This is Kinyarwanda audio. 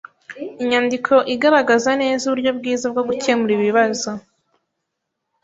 Inyandiko igaragaza neza uburyo bwiza bwo gukemura ibibazo.